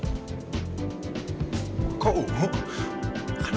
kok ungu kan ungu warna janda